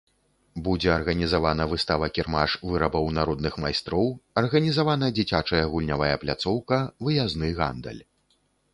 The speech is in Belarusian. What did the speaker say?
Будзе арганізавана выстава-кірмаш вырабаў народных майстроў, арганізавана дзіцячая гульнявая пляцоўка, выязны гандаль.